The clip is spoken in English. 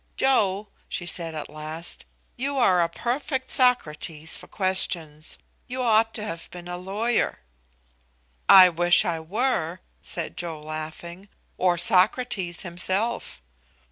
"Joe," she said at last, "you are a perfect Socrates for questions. You ought to have been a lawyer." "I wish I were," said Joe, laughing, "or Socrates himself."